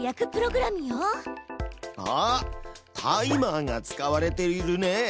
タイマーが使われているね。